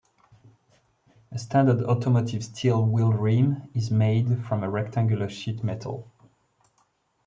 A standard automotive steel wheel rim is made from a rectangular sheet metal.